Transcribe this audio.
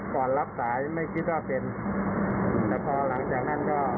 รับสายไม่คิดว่าเป็นแต่พอหลังจากนั้นก็